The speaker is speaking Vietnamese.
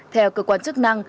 theo cơ quan chức năng